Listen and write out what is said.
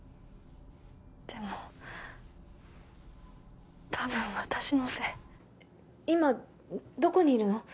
でも多分私のせい今どこにいるの？